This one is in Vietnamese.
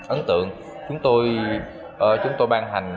ấn tượng chúng tôi ban hành